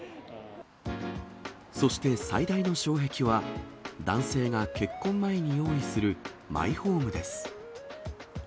そして最大の障壁は、男性が結婚前に用意するマイホームです。